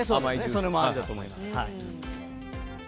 それもありだと思います。